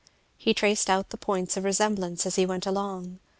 He traced out the points of resemblance as he went along.